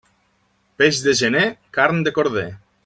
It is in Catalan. Peix de gener, carn de corder.